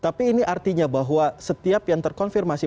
tapi ini artinya bahwa setiap yang terkonfirmasi